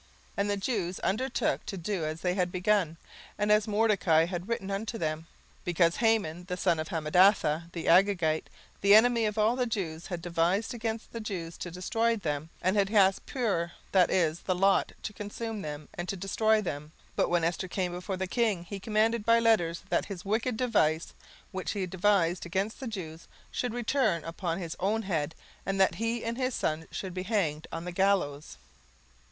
17:009:023 And the Jews undertook to do as they had begun, and as Mordecai had written unto them; 17:009:024 Because Haman the son of Hammedatha, the Agagite, the enemy of all the Jews, had devised against the Jews to destroy them, and had cast Pur, that is, the lot, to consume them, and to destroy them; 17:009:025 But when Esther came before the king, he commanded by letters that his wicked device, which he devised against the Jews, should return upon his own head, and that he and his sons should be hanged on the gallows.